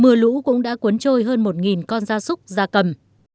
mưa lũ cũng đã cuốn trôi hơn một con da súc da cầm